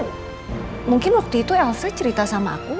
hai mungkin mungkin waktu itu elsa cerita sama aku